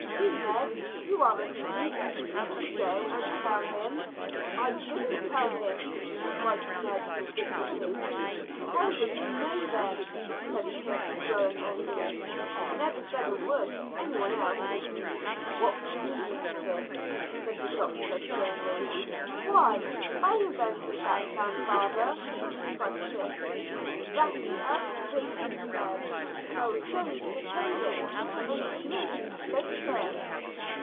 "You, Ned, you are a sneak to go and tell him." "I didn't tell him," cried Ned indignantly. "How did he know, then?" said Chris, growing angry. "I never said a word to any one else." "What do you mean, Chris?" said the doctor sternly. "Why, I invented that plan, father," cried Chris, "exactly as Griggs says; and I was going to propose it, only Griggs spoke first."